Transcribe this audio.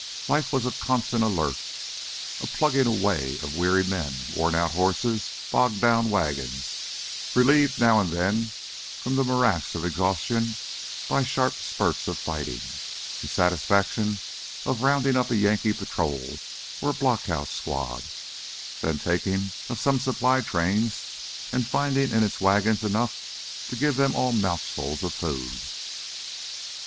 Life was a constant alert, a plugging away of weary men, worn out horses, bogged down wagons, relieved now and then from the morass of exhaustion by sharp spurts of fighting, the satisfaction of rounding up a Yankee patrol or blockhouse squad, the taking of some supply train and finding in its wagons enough to give them all mouthfuls of food.